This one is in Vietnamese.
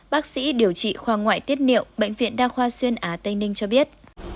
bác sĩ điều trị khoa ngoại tiết niệu bệnh viện đa khoa xuyên á tây ninh cho biết